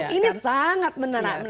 gitu ini sangat menarik